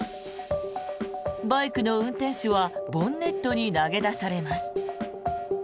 バイクの運転手はボンネットに投げ出されます。